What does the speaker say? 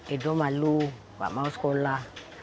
edo malu gak mau sekolah